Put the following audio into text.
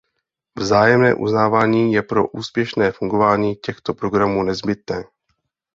Vzájemné uznávání je pro úspěšné fungování těchto programů nezbytné.